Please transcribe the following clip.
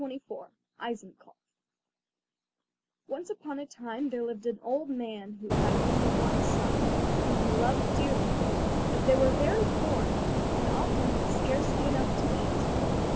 ] Eisenkopf Once upon a time there lived an old man who had only one son, whom he loved dearly; but they were very poor, and often had scarcely enough to eat.